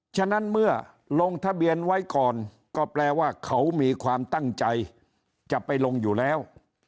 ฉะนั้นเมื่อลงทะเบียนไว้ก่อนก็แปลว่าเขามีความตั้งใจจะไปลงอยู่แล้ว